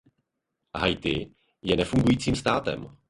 Haiti je nefungujícím státem.